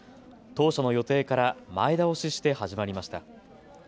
当初の予定から前倒しして始まりました。